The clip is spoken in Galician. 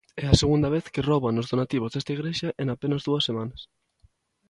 É a segunda vez que rouban os donativos desta igrexa en apenas dúas semanas.